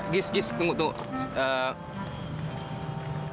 gis gis tunggu tunggu